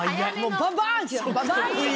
バンバンってきた。